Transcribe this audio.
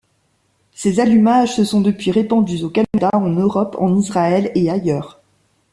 Ces allumages se sont depuis répandus au Canada, en Europe, en Israël et ailleurs.